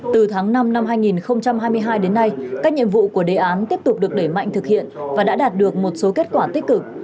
từ tháng năm năm hai nghìn hai mươi hai đến nay các nhiệm vụ của đề án tiếp tục được đẩy mạnh thực hiện và đã đạt được một số kết quả tích cực